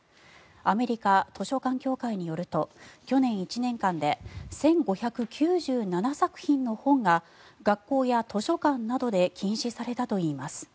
アメリカ図書館協会によると去年１年間で１５９７作品の本が学校や図書館などで禁止されたといいます。